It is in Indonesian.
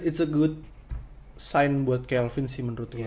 itu tanda yang bagus buat kelvin sih menurut gue